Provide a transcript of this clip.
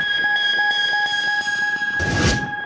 แร็กกรุงแร็กเกอร์อะไรเคลือบมาหรือเปล่า